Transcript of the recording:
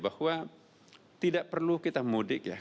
bahwa tidak perlu kita mudik ya